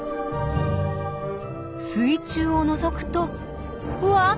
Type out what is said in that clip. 水中をのぞくとうわっ！